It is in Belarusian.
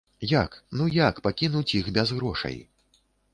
Як, ну як пакінуць іх без грошай?